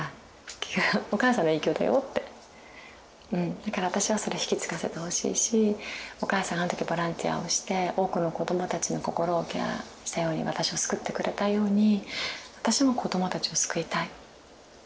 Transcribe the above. だから私はそれ引き継がせてほしいしお母さんがあの時ボランティアをして多くの子どもたちの心をケアしたように私を救ってくれたように私も子どもたちを救いたい。